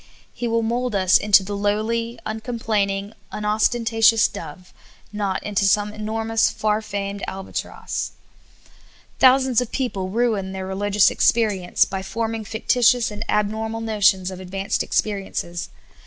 He will mold us into the lowly, uncomplaining, unostentatious dove, not into some enormous, far famed albatross. Thousands of people ruin their religious experience 56 SOUL FOOD. b}' forming fictitious and abnormal notions of advanced experiences.